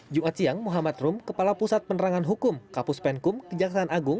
jumat siang muhammad rum kepala pusat penerangan hukum kapus penkum kejaksaan agung